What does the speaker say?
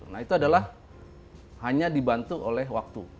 nah itu adalah hanya dibantu oleh waktu